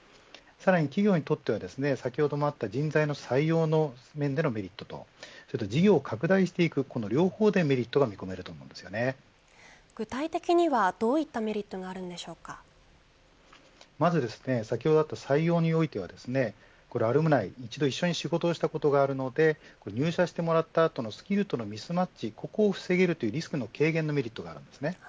企業にとっては先ほどもあった人材の採用の面でのメリットと事業を拡大していく両方でメリットが見込めると具体的にはどういったまず先ほどだと採用においてはアルムナイ、一度一緒に仕事をしたことがあるので入社してもらった後のスキルとのミスマッチを防げるリスクの軽減のメリットがあるんですね。